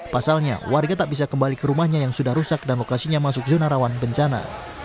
pasalnya warga tak bisa kembali ke rumahnya yang sudah rusak dan lokasinya masuk zona rawan bencana